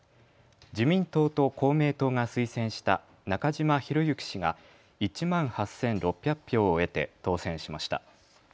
自民党と公明党が推薦した中嶋博幸氏が１万８６００票を得て当選しました。